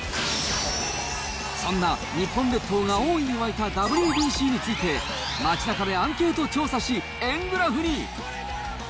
そんな日本列島が大いに沸いたＷＢＣについて、街なかでアンケート調査し、円グラフに。